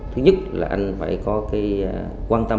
thứ nhất là anh phải có quan tâm